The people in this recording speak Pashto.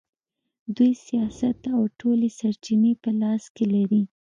دوی سیاست او ټولې سرچینې په لاس کې لري.